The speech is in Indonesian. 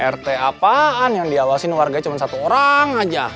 rt apaan yang diawasin warga cuma satu orang aja